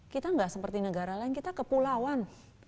kita nggak seperti negara lain kita kepulauan